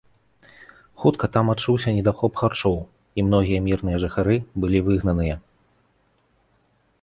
Хутка там адчуўся недахоп харчоў, і многія мірныя жыхары былі выгнаныя.